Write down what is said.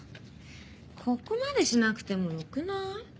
ここまでしなくてもよくない？